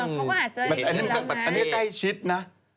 เพราะว่าเจอกันอยู่แล้วนะอันนี้ใกล้ชิดนะ